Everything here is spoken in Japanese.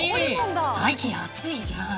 最近、暑いじゃん。